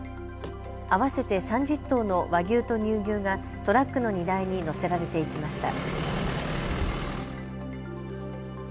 合わせて３０頭の和牛と乳牛がトラックの荷台に載せられていきました。